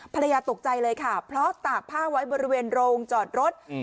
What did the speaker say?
ภรรยาตกใจเลยค่ะเพราะตากผ้าไว้บริเวณโรงจอดรถ